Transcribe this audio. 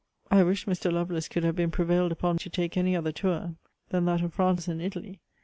I wish Mr. Lovelace could have been prevailed upon to take any other tour, than that of France and Italy.